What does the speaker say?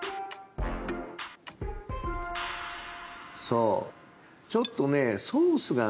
そうちょっとね。